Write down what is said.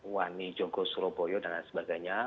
wani jogo surabaya dan sebagainya